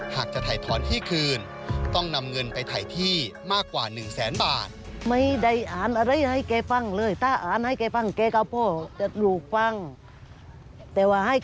หากจะไถทธลที่คืนต้องนำเงินไปไถที่มากกว่า๑แสนบาท